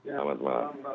selamat malam pak